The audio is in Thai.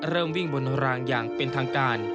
เริ่มวิ่งบนรางอย่างเป็นทางการ